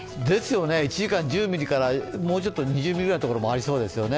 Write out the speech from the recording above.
１時間１０ミリからもうちょっと２０ミリぐらいのところもありそうですね